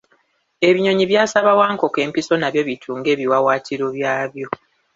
Ebinyonyi byasaba Wankoko empiso nabyo bitunge ebiwawaatiro byabyo.